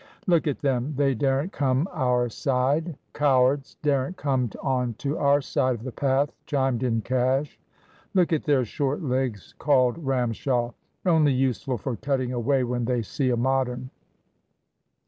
"Look at them! They daren't come our side. Cowards! daren't come on to our side of the path," chimed in Cash. "Look at their short legs," called Ramshaw; "only useful for cutting away when they see a Modern."